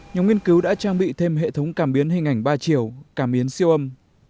nhóm nghiên cứu đã trang bị thêm hệ thống cảm biến hình ảnh ba chiều cảm biến siêu âm